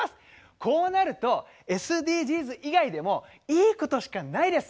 こうなるとＳＤＧｓ以外でもいいことしかないです。